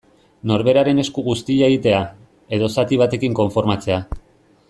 Norberaren esku guztia egitea, edo zati batekin konformatzea.